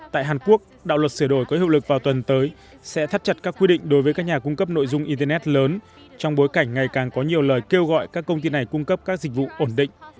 tại hàn quốc đạo luật sửa đổi có hiệu lực vào tuần tới sẽ thắt chặt các quy định đối với các nhà cung cấp nội dung internet lớn trong bối cảnh ngày càng có nhiều lời kêu gọi các công ty này cung cấp các dịch vụ ổn định